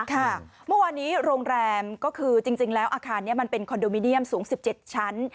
เมื่อวานนี้โรงแรมก็คือจริงแล้วอาคารนี้มันเป็นคอนโดมิเนียมสูง๑๗ชั้น